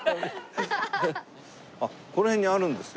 この辺にあるんですか？